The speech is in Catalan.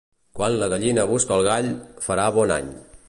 Quan la gallina busca el gall, farà bon any.